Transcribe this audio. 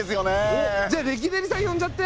おっじゃあレキデリさん呼んじゃって！